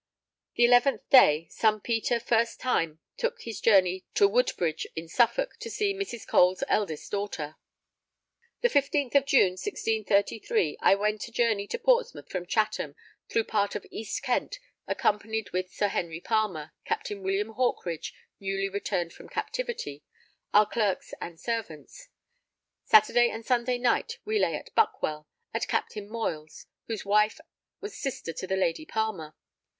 The 11th day, son Peter first time took his journey to Woodbridge in Suffolk to see Mrs. Cole's eldest daughter._ _The 15th of June, 1633, I went a journey to Portsmouth from Chatham, through part of East Kent, accompanied with Sir Henry Palmer, Captain William Hawkridge, newly returned from captivity, our clerks and servants. Saturday and Sunday night we lay at Buckwell, at Captain Moyle's, whose wife was sister to the Lady Palmer.